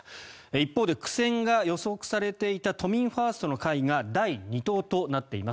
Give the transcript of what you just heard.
一方で苦戦が予測されていた都民ファーストの会が第２党となっています。